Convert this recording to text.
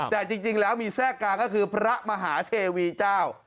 แต่จริงแล้วมีแทรกกลางก็คือพระมหาเทวีเจ้า